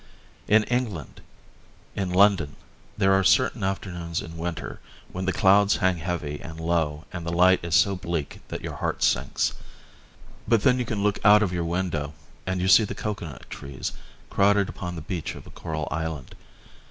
In England, in London, there are certain afternoons in winter when the clouds hang heavy and low and the light is so bleak that your heart sinks, but then you can look out of your window, and you see the coconut trees crowded upon the beach of a coral island.